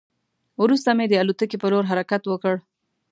وروسته مو د الوتکې په لور حرکت وکړ.